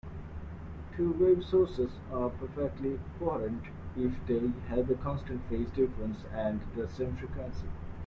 Two-wave sources are perfectly coherent if they have a constant phase difference and the same frequency.